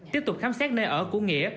tiếp tục khám xét nơi ở của nghĩa